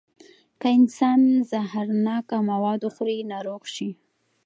که انسان زهرناکه مواد وخوري، ناروغ شي.